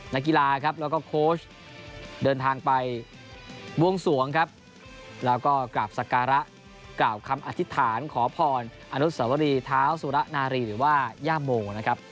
นักกีฬาครับแล้วก็โค้ชเดินทางไปบวงสวงครับแล้วก็กราบสการะกล่าวคำอธิษฐานขอพรอนุสวรีเท้าสุระนารีหรือว่าย่าโมนะครับ